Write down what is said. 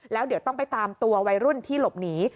แล้วเดี๋ยวต้องไปตามตัววัยรุ่นที่หลบหนี